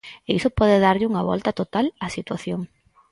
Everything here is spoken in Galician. E iso pode darlle unha volta total á situación.